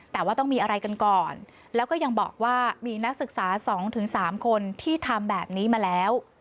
แต่ว่าต้องมีอะไรกันก่อนแล้วก็ยังบอกว่ามีนักศึกษา๒๓คนที่ทำแบบนี้มาแล้ว